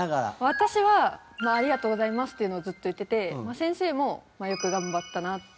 私は「ありがとうございます」っていうのをずっと言っててまあ先生も「よく頑張ったな」っていう。